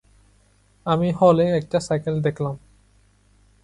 আমি হলে একটা সাইকেল দেখলাম।